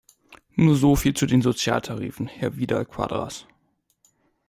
Nur so viel zu den Sozialtarifen, Herr Vidal-Quadras.